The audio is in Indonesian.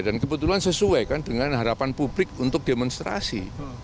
dan kebetulan sesuai dengan harapan publik untuk demonstrasi